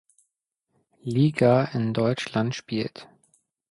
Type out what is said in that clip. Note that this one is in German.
Liga in Deutschland spielt.